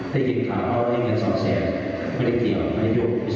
ได้กินขาวเอาเงินสองแสนไม่ได้เกี่ยวไม่ยุคพิสูจน์